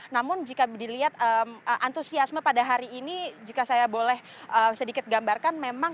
namun jika dilihat antusiasme pada hari ini jika saya boleh sedikit gambarkan memang